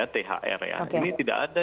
thr ya ini tidak ada